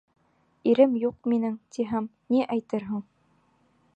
— Ирем юҡ минең, тиһәм, ни әйтерһең?